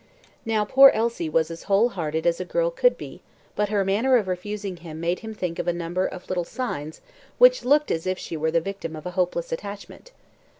Now poor Elsie was as heart whole as a girl could be, but her manner of refusing made him think of a number of little signs which looked as if she were the victim of a hopeless attachment.